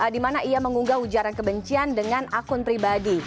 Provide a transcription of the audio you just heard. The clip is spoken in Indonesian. di mana ia mengunggah ujaran kebencian dengan akun pribadi